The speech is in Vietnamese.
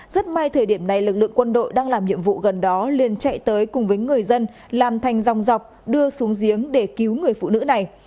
rất may thời điểm này lực lượng quân đội đang làm nhiệm vụ gần đó liên chạy tới cùng với người dân làm thành dòng dọc đưa xuống giếng để cứu người phụ nữ này